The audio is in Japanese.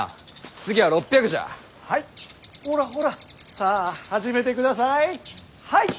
ほらほらさあ始めてください。